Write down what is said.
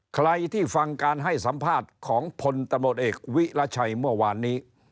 ใครที่ฟังการให้สัมภาษณ์ของพลตำรวจเอกวิรัชัยเมื่อวานนี้